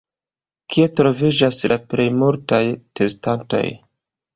Kie troviĝas la plej multaj testantoj?